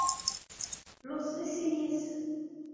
Lluẓen i sin yid-sen.